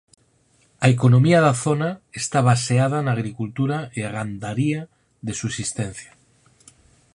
A economía da zona está baseada na agricultura e a gandaría de subsistencia.